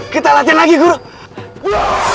kita lanjut lagi guru